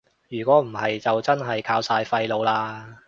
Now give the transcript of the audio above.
如果唔係就真係靠晒廢老喇